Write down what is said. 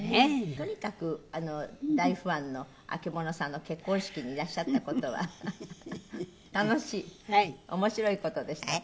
とにかく大ファンの曙さんの結婚式にいらっしゃった事は楽しい面白い事でしたか？